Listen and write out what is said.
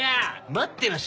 待ってました！